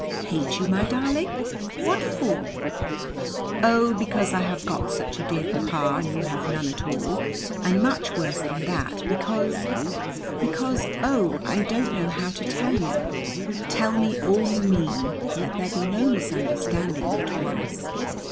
"Hate you, my darling! What for?" "Oh, because I have got such a dear Papa, and you have none at all. And much worse than that, because because oh, I don't know how to tell you." "Tell me all you mean. Let there be no misunderstanding between us."